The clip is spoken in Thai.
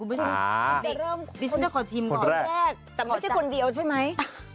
เดี๋ยวจะเริ่มคนแรกแต่ไม่ใช่คนเดียวใช่ไหม